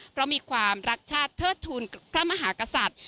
เพราะมีความรักชาติเทิดทูลพระมหากษัตริย์